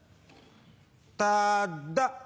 ただ。